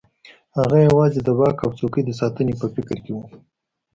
هغه یوازې د واک او څوکۍ د ساتنې په فکر کې وو.